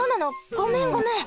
ごめんごめん。